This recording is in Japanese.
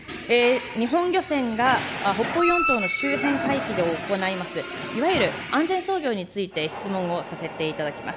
日本漁船が北方四島の周辺海域で行いますいわゆる安全操業について質問をさせていただきます。